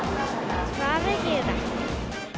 バーベキューだ。